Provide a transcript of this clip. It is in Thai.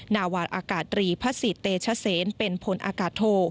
นาวาอากาศตรีพระศิษเตชเซนเป็นพลอากาศโท